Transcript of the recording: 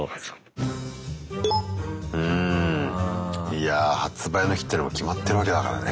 いやぁ発売の日っていうのも決まってるわけだからね。